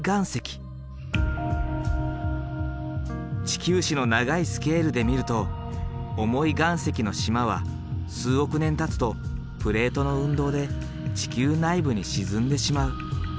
地球史の長いスケールで見ると重い岩石の島は数億年たつとプレートの運動で地球内部に沈んでしまう。